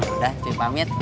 udah njui pamit